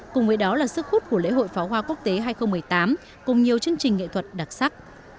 cùng với đó là sức hút của lễ hội pháo hoa quốc tế hai nghìn một mươi tám cùng nhiều chương trình nghệ thuật đặc sắc